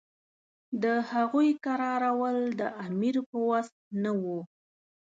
د هغوی کرارول د امیر په وس نه وو.